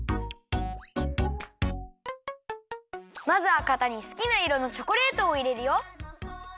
まずはかたにすきないろのチョコレートをいれるよ。